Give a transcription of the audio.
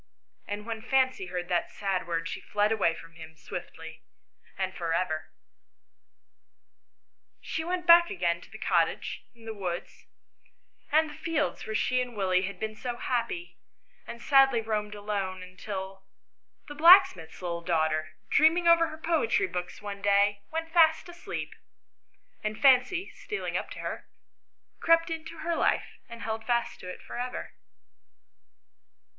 And when Fancy heard that sad word she fled away from him swiftly and for ever. She went back again to the cottage, and the woods, and the fields where she and Willie had been so happy, and sadly roamed alone, until the blacksmith's 128 ANYHOW STORIES. [STORY xi. little daughter, dreaming over her poetry books one day, went fast asleep, and Fancy, stealing up to her, crept into her life and held fast to it for ever.